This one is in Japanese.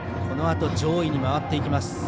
このあと上位に回っていきます。